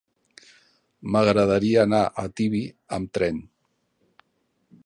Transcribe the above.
M'agradaria anar a Tibi amb tren.